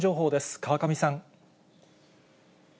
川上さん。